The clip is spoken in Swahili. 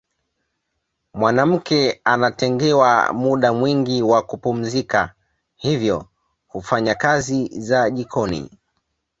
Mwanamke anatengewa muda mwingi wa kupumzika hivyo hufanya kazi za jikoni